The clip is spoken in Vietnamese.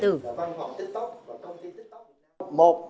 tuy nhiên là văn hóa tiktok và thông tin tiktok